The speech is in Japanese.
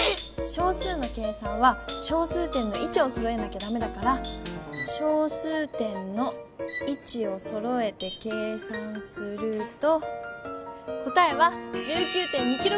小数の計算は小数点のいちをそろえなきゃダメだから小数点のいちをそろえて計算すると答えは１９．２ｋｇだわ。